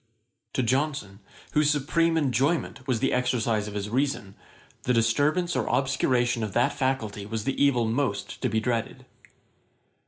To Johnson, whose supreme enjoyment was the exercise of his reason, the disturbance or obscuration of that faculty was the evil most to be dreaded.